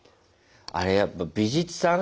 あれやっぱ美術さん